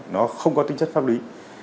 nó không có tính chất pháp lý